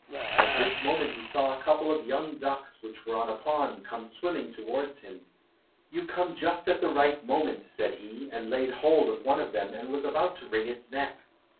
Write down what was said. At this moment he saw a couple of young ducks which were on a pond come swimming towards him. "You come just at the right moment," said he, and laid hold of one of them and was about to wring its neck.